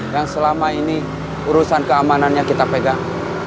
yang selama ini urusan keamanannya kita pegang